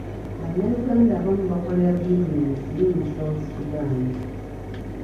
Bannayuganda abamu bakolera bizinensi mu south sudan.